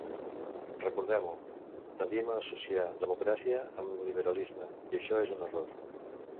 Recordem-ho: tendim a associar democràcia amb liberalisme i això és un error.